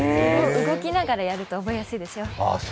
動きながらやると覚えやすいですよ。